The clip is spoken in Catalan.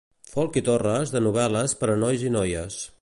Folch i Torres de novel·les per a nois i noies.